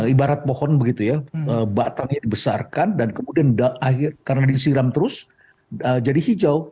ibarat pohon begitu ya batangnya dibesarkan dan kemudian karena disiram terus jadi hijau